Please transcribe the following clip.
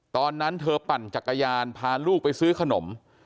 ตอนนั้นเธอปั่นจักรยานพาลูกไปซื้อขนม